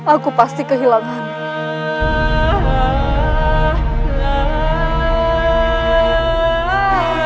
aku pasti kehilanganmu